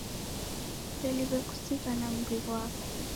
Kuseliwe kuzighana mmbi ghwako